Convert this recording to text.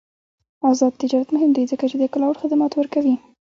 آزاد تجارت مهم دی ځکه چې کلاؤډ خدمات ورکوي.